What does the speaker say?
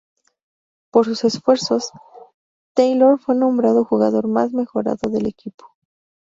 Por sus esfuerzos, Taylor fue nombrado Jugador Más Mejorado del equipo.